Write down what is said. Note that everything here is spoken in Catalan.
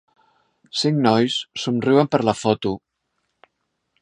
Cinc nois somriuen per la foto.